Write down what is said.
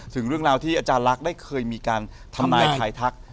ถึงเรื่องราวที่อาจารย์ลักษณ์ได้เคยมีการทำนายทายทัก